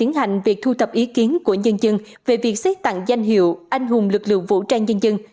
tiến hành việc thu thập ý kiến của nhân dân về việc xét tặng danh hiệu anh hùng lực lượng vũ trang nhân dân